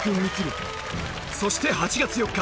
そして８月４日